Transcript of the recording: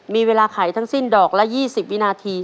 มีเวลาไขทั้งสิ้นดอกละ๒๐วินาที